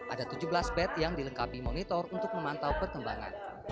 ada tujuh belas bed yang dilengkapi monitor untuk memantau perkembangan